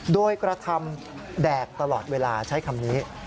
โดยกระทำแดกตลอดเวลาใช้คำนี้